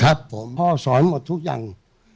ครับผมพ่อสอนหมดทุกอย่าง